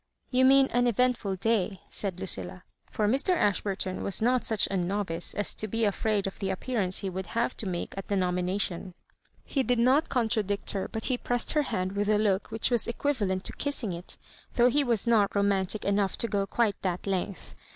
"You mean an eventful day," said Lucilla; for Mr. Ashburtou was not such an novice as to be afraid of the appearance he would have to make at the nomination. He did not contradict her, but he pressed her hand with a look which was equivalent to kissing it, though he was not romantic enough to go quite that length.